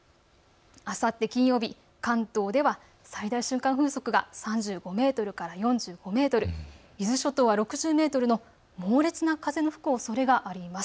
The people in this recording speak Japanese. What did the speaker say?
あさって金曜日、関東では最大瞬間風速が３５メートルから４５メートル、伊豆諸島は６０メートルの猛烈な風が吹くおそれがあります。